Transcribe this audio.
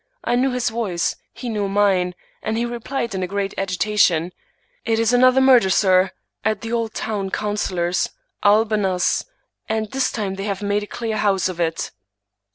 I knew his voice, he knew mine, and he replied in great agitation: " It is another murder, sir, at the old town councilor's, Albernass; and this time they have made a clear house of it."